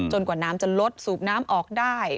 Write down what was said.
กว่าน้ำจะลดสูบน้ำออกได้